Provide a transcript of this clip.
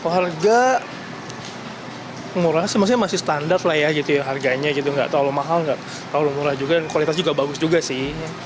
harga ngurah sih maksudnya masih standar lah ya harganya gitu nggak terlalu mahal nggak terlalu murah juga dan kualitas juga bagus juga sih